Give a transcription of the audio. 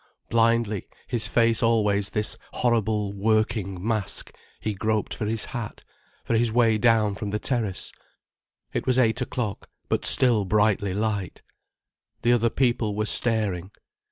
Blindly, his face always this horrible working mask, he groped for his hat, for his way down from the terrace. It was eight o'clock, but still brightly light. The other people were staring.